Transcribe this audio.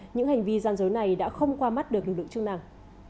những hành vi gian dối này đã không qua mắt được lực lượng chức năng